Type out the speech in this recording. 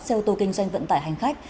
xe ô tô kinh doanh vận tải hành khách